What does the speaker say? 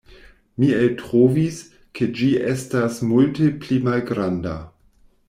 Mi eltrovis, ke ĝi estas multe pli malgranda.